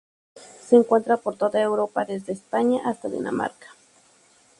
Se encuentra por toda Europa, desde España hasta Dinamarca.